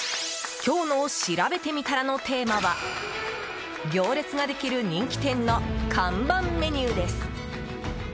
今日のしらべてみたらのテーマは行列ができる人気店の看板メニューです。